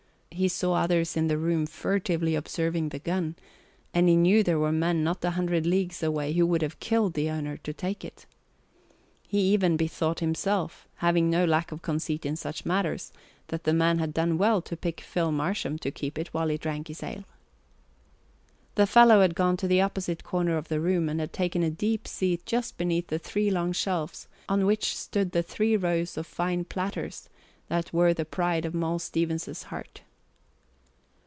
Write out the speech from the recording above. He saw others in the room furtively observing the gun, and he knew there were men not a hundred leagues away who would have killed the owner to take it. He even bethought himself, having no lack of conceit in such matters, that the man had done well to pick Phil Marsham to keep it while he drank his ale. The fellow had gone to the opposite corner of the room and had taken a deep seat just beneath the three long shelves on which stood the three rows of fine platters that were the pride of Moll Stevens's heart.